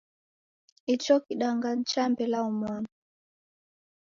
Icho kidanga ni cha Mbela moni.